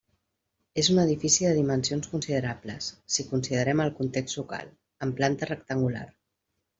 És un edifici de dimensions considerables, si considerem el context local, amb planta rectangular.